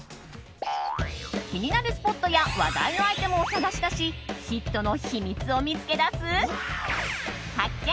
気になるスポットや話題のアイテムを探し出しヒットの秘密を見つけ出す発見！